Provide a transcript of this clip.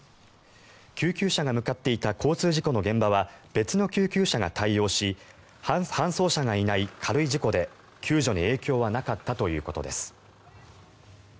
救急車が向かっていた交通事故の現場は別の救急車が対応し搬送車がいない軽い事故で救助に影響はなかったということです。